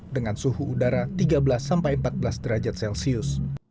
dengan suhu udara tiga belas sampai empat belas derajat celcius